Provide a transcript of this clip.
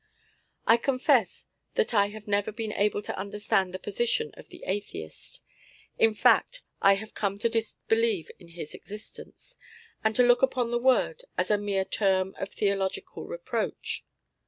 I confess that I have never been able to understand the position of the atheist. In fact, I have come to disbelieve in his existence, and to look upon the word as a mere term of theological reproach.